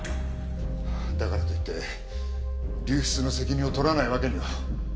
だからといって流出の責任を取らないわけには。